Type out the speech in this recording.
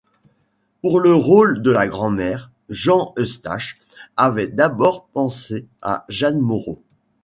Pour le rôle de la grand-mère, Jean Eustache avait d'abord pensé à Jeanne Moreau.